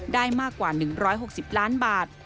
ได้มากกว่า๑๖๐ล้านบาท